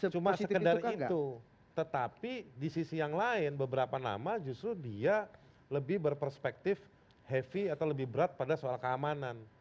cuma sekedar itu tetapi di sisi yang lain beberapa nama justru dia lebih berperspektif heavy atau lebih berat pada soal keamanan